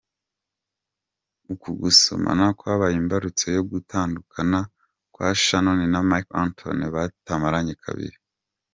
Uku gusomana kwabaye imbarutso yo gutandukana kwa Shannon na Marc Antony batamaranye kabiri.